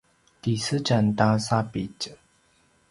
kisedjam ta sapitj